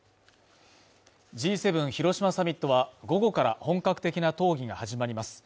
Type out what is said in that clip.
Ｇ７広島サミットは午後から本格的な討議が始まります。